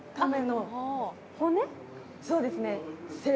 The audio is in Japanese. そうですね。